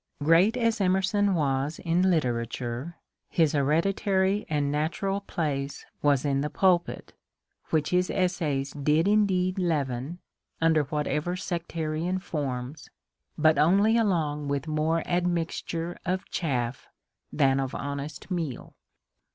Great as Emerson was in literature, his hereditary and natural place was in the pulpit, which his essays did indeed leaven, under whatever sectarian forms, but only along with more admixture of chafiE than of honest meal.